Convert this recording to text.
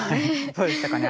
そうでしたかね。